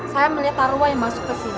saya melihat taruwa yang masuk ke sini